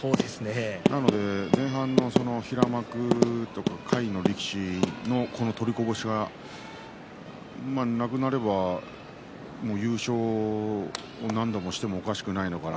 なので前半の平幕とか下位の力士の取りこぼしがなくなれば優勝を何度もしてもおかしくないのかな